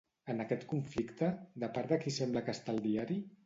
En aquest conflicte, de part de qui sembla que està el diari?